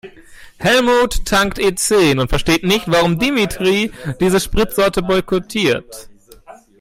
Helmut tankt E-zehn und versteht nicht, warum Dimitri diese Spritsorte boykottiert.